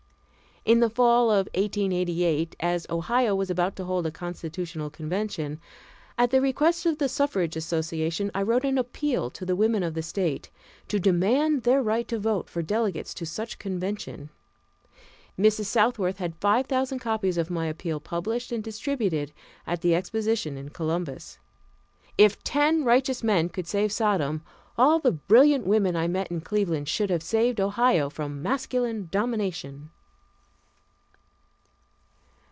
In the fall of 1888, as Ohio was about to hold a Constitutional convention, at the request of the suffrage association I wrote an appeal to the women of the State to demand their right to vote for delegates to such convention. Mrs. Southworth had five thousand copies of my appeal published and distributed at the exposition in Columbus. If ten righteous men could save Sodom, all the brilliant women I met in Cleveland should have saved Ohio from masculine domination.